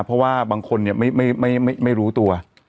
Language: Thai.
เพราะว่าบางคนไม่รู้ตัว